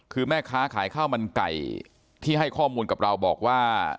คือแม่ค้าขายข้าวมันไก่ที่ให้ข้อมูลกับเราบอกว่า